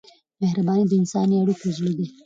مهرباني د انساني اړیکو زړه دی.